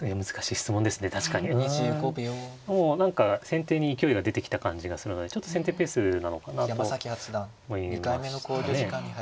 何か先手に勢いが出てきた感じがするのでちょっと先手ペースなのかなと思いましたね。